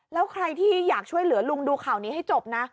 แล้วใครที่อยากช่วยเหลือลุงดูข่าวนี้ให้จบนะ